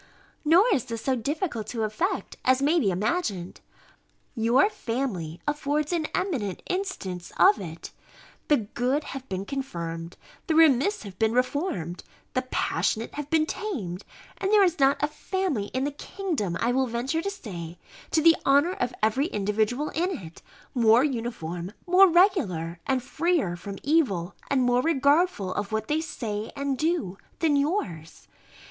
Nor is this so difficult to effect, as may be imagined. Your family affords an eminent instance of it: the good have been confirmed, the remiss have been reformed, the passionate have been tamed; and there is not a family in the kingdom, I will venture to say, to the honour of every individual in it, more uniform, more regular, and freer from evil, and more regardful of what they say and do, than yours.